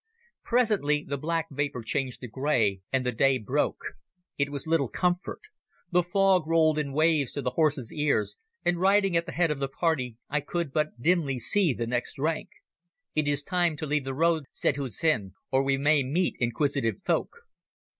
Presently the black vapour changed to grey, and the day broke. It was little comfort. The fog rolled in waves to the horses' ears, and riding at the head of the party I could but dimly see the next rank. "It is time to leave the road," said Hussin, "or we may meet inquisitive folk."